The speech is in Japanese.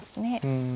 うん。